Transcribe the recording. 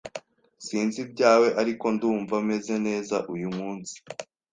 Sinzi ibyawe, ariko ndumva meze neza uyu munsi.